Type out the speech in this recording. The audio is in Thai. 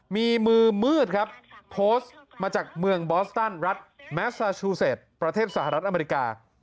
มีมือมืดครับโพสต์มาจากเมืองบอสตันรัฐแมสซาชูเซตประเทศสหรัฐอเมริกา